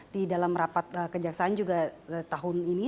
di dalam rapat kejaksaan juga tahun ini